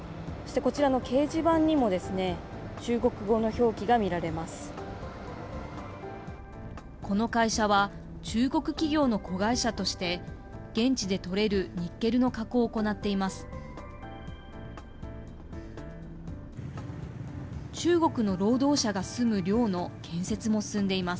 この会社は、中国企業の子会社として、現地で採れるニッケルの加工を行っています。